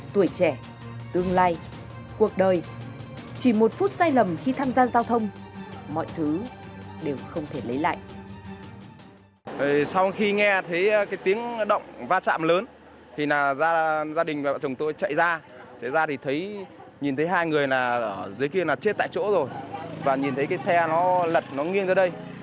tuổi trẻ tương lai cuộc đời chỉ một phút sai lầm khi tham gia giao thông mọi thứ đều không thể lấy lại